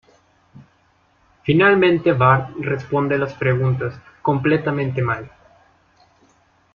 Finalmente Bart responde las preguntas, completamente mal.